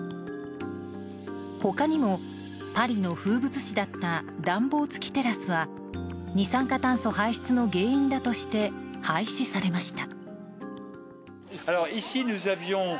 他にもパリの風物詩だった暖房付きテラスは二酸化炭素排出の原因だとして廃止されました。